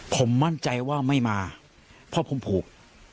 ผมมั่นใจว่าไม่มาเพราะผมผูก